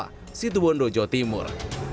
di situbondo jawa timur